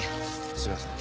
すみません。